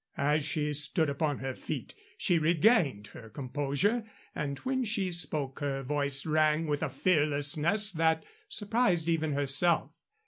As she stood upon her feet she regained her composure, and when she spoke her voice rang with a fearlessness that surprised even herself.